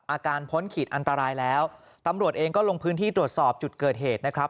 พ้นขีดอันตรายแล้วตำรวจเองก็ลงพื้นที่ตรวจสอบจุดเกิดเหตุนะครับ